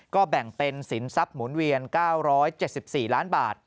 ก็แบ่งเป็นสินทรัพย์หมุนเวียน๙๗๔ล้านบาท